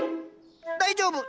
大丈夫。